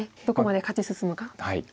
どこまで勝ち進むか。